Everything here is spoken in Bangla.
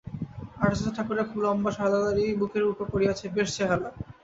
আচার্য ঠাকুরের খুব লম্বা সাদা দাড়ি বুকের ওপর পড়িয়াছে, বেশ চেহারা।